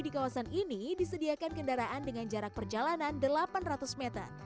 di kawasan ini disediakan kendaraan dengan jarak perjalanan delapan ratus meter